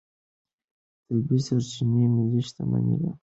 طبیعي سرچینې ملي شتمني ده.